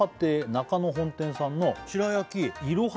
中野本店さんの白焼きいろは